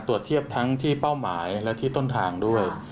ตรวจเทียบทั้งที่เป้าหมายและที่ต้นทางด้วย